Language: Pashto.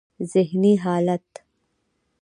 ذهني حالت: